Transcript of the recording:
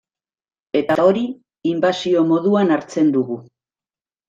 Eta hori inbasio moduan hartzen dugu.